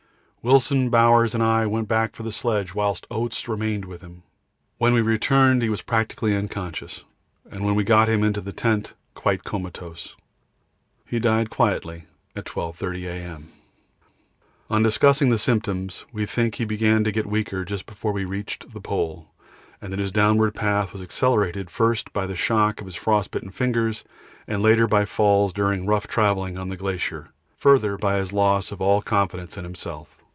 Wilson, Bowers, and I went back for the sledge, whilst Oates remained with him. When we returned he was practically unconscious, and when we got him into the tent quite comatose. He died quietly at 12.30 A.M. On discussing the symptoms we think he began to get weaker just before we reached the Pole, and that his downward path was accelerated first by the shock of his frostbitten fingers, and later by falls during rough travelling on the glacier, further by his loss of all confidence in himself.